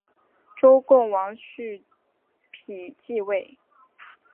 周共王繄扈继位。